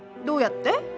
どうやって？